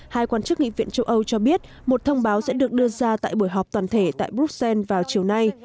hai quan chức nghị viện châu âu cho biết một thông báo sẽ được đưa ra tại buổi họp toàn thể tại bruxelles vào chiều nay